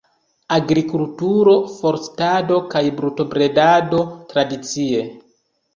Agrikulturo, forstado kaj brutobredado tradicie.